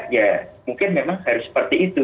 ya mungkin memang harus seperti itu